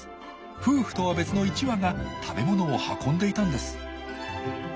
夫婦とは別の１羽が食べ物を運んでいたんです。